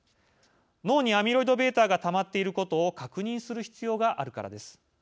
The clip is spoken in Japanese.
脳にアミロイドβがたまっていることを確認する必要があるからです。